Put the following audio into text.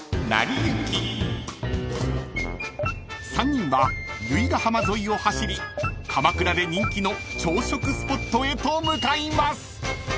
［３人は由比ケ浜沿いを走り鎌倉で人気の朝食スポットへと向かいます］